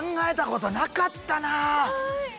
はい！